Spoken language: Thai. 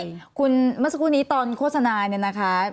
ใช่คุณเมื่อสักครู่นี้ตอนโฆษณาเนี่ยนะคะ